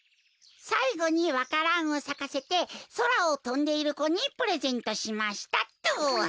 「さいごにわからんをさかせてそらをとんでいる子にプレゼントしました」っと。